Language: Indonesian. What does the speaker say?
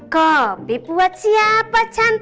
kopi buat siapa cantik